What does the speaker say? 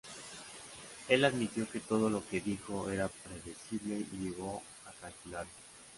Él admitió que todo lo que dijo era predecible y llegó a calcularse.